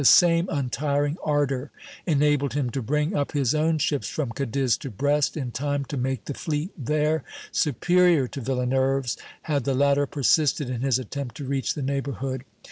The same untiring ardor enabled him to bring up his own ships from Cadiz to Brest in time to make the fleet there superior to Villeneuve's, had the latter persisted in his attempt to reach the neighborhood.